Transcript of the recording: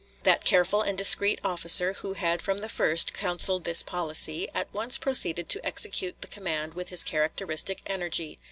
That careful and discreet officer, who had from the first counseled this policy, at once proceeded to execute the command with his characteristic energy.